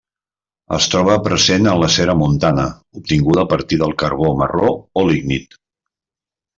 Es troba present en la cera montana obtinguda a partir del carbó marró o lignit.